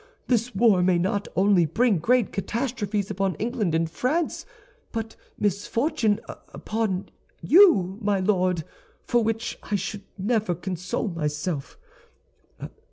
This war may not only bring great catastrophes upon England and France, but misfortune upon you, my Lord, for which I should never console myself.